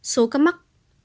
số ca mắc